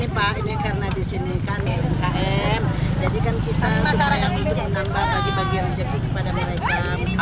ini karena di sini kan mkm jadi kan kita bisa menambah bagi bagi rejeki kepada mereka